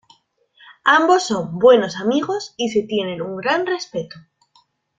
Ambos son buenos amigos y se tienen un gran respeto.